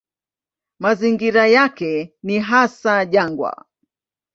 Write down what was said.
Mazingira yake ni hasa jangwa.